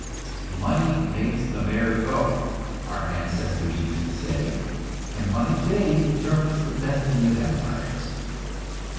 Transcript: "Money makes the mare go," our ancestors used to say; and money today determines the destiny of empires.